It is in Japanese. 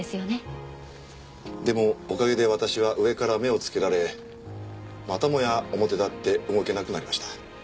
でもおかげで私は上から目をつけられまたもや表立って動けなくなりました。